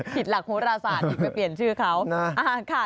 ผิดหลักโหราศาสตร์นี่ไปเปลี่ยนชื่อเขา